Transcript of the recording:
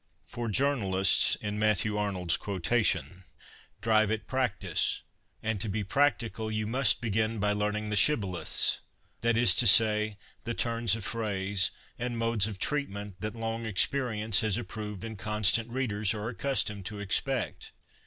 For Journahsts, in Matthew Arnold's quotation, drive at practice, and to be practical you must begin by learning the shib boleths — that is to say, the turns of phrase and modes of treatment that long experience has approved and constant readers are accustomed to expect.